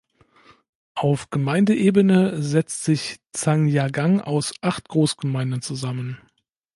Auf Gemeindeebene setzt sich Zhangjiagang aus acht Großgemeinden zusammen.